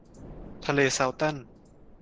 ทะเลซัลตัน